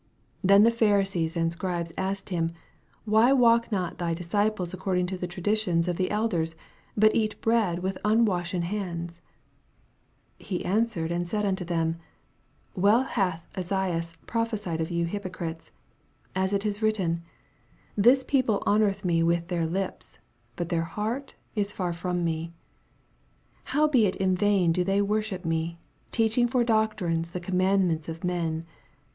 5 Then the Pharisees and Scribes asked him, Why walk not thy disci ples according to the traditions of the elders, but eat bread with unwashen bands 2 6 He answered and said unto them, Well hath Esaias prophesied of jou hypocrites, as it is written, This pao ple honoreth me with their lips, but their heart is tar from me. 7 Howbeit in vain do they worship me, teaching for doctrines the com mandments of men.